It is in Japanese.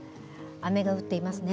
雨が降っていますね。